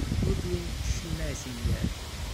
Ludwig Schlesinger